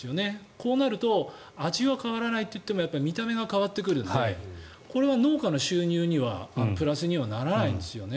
こうなると味は変わらないといっても見た目が変わってくるのでこれは農家の収入にはプラスにはならないんですよね。